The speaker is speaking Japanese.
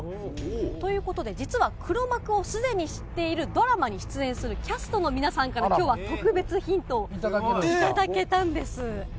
ということで、実は黒幕をすでに知っているドラマに出演するキャストの皆さんからきょうは特別ヒントを頂けたんです。